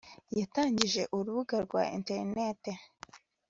yatangije urubuga rwa interineti